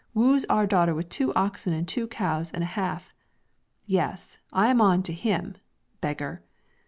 wooes our daughter with two oxen and two cows and a half yes, I am on to him! Beggar!"